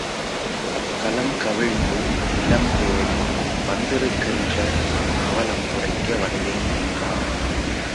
கலங் கவிழ்ந்து நிலம் தேடி வந்திருக்கின்ற உன் அவலம் துடைக்க வந்தேன் என்றான்.